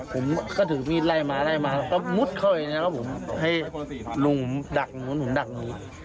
ผมก็ถือมีไล่มาไล่มาแล้วก็มุดเข้าไปเนี้ยครับผมให้ลุงผมดักลุงผมดักนี้